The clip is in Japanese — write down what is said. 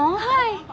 はい。